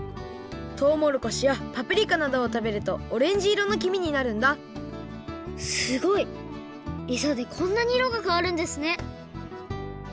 とうもろこしやパプリカなどをたべるとオレンジ色のきみになるんだすごい！えさでこんなに色がかわるんですね